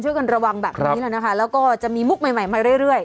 ช่วยกันระวังแบบนี้แหละนะคะแล้วก็จะมีมุกใหม่ใหม่มาเรื่อย